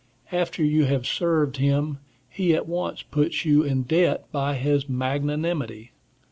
After you have served him he at once puts you in debt by his magnanimity.